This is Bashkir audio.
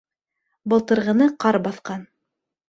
Былтырғыны ҡар баҫҡан.